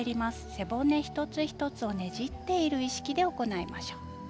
背骨を一つ一つをねじっている意識で行いましょう。